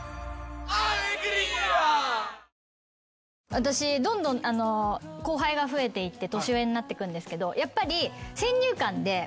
私どんどん後輩が増えていって年上になってくんですけどやっぱり。